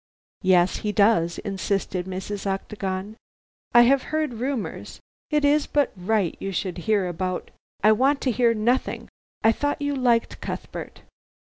"Yes he does," insisted Mrs. Octagon. "I have heard rumors; it is but right you should hear about " "I want to hear nothing. I thought you liked Cuthbert."